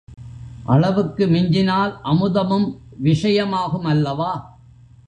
அளவுக்கு மிஞ்சினால் அமுதமும் விஷயமாகுமல்லவா?